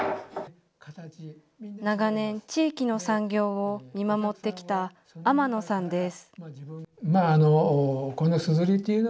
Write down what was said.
長年、地域の産業を見守ってきた天野さんです。